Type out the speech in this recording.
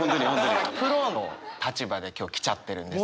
プロの立場で今日来ちゃってるんですけど。